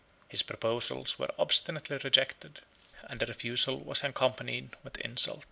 His proposals were obstinately rejected, and the refusal was accompanied with insult.